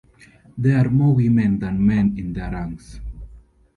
There are more women than men in their ranks.